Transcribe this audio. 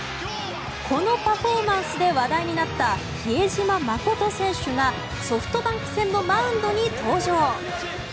このパフォーマンスで話題になった比江島慎選手がソフトバンク戦のマウンドに登場。